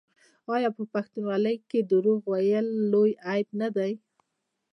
آیا په پښتونولۍ کې دروغ ویل لوی عیب نه دی؟